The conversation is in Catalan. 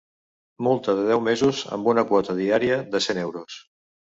Multa de deu mesos amb una quota diària de cent euros.